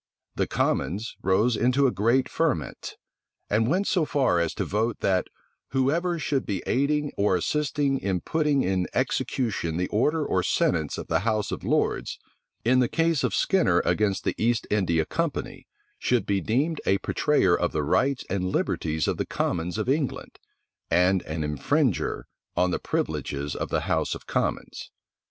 The commons rose into a great ferment; and went so far as to vote, that "whoever should be aiding or assisting in putting in execution the order or sentence of the house of lords, in the case of Skinner against the East India Company, should be deemed a betrayer of the rights and liberties of the commons of England, and an infringer of the privileges of the house of commons."